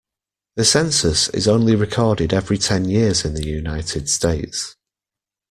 The census is only recorded every ten years in the United States.